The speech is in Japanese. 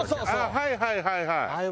はいはいはいはい。